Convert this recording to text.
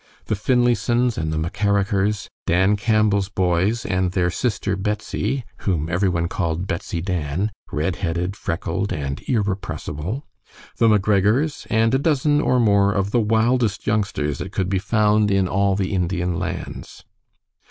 The Finlaysons and the McKerachers, Dan Campbell's boys, and their sister Betsy, whom every one called "Betsy Dan," redheaded, freckled, and irrepressible; the McGregors, and a dozen or more of the wildest youngsters that could be found in all the Indian Lands.